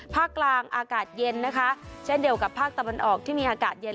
ภาคกลางอากาศเย็นนะคะเช่นเดียวกับภาคตะวันออกที่มีอากาศเย็น